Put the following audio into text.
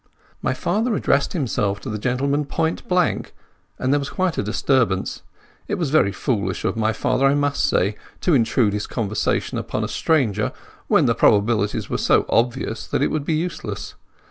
My father addressed himself to the gentleman point blank, and there was quite a disturbance. It was very foolish of my father, I must say, to intrude his conversation upon a stranger when the probabilities were so obvious that it would be useless.